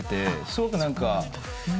すごく何か。